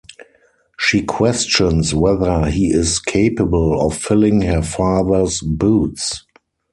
She questions whether he is capable of filling her father's boots.